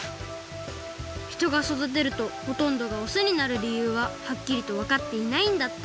ひとが育てるとほとんどがオスになるりゆうははっきりとわかっていないんだって。